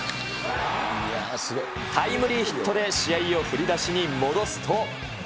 タイムリーヒットで試合をふりだしに戻すと。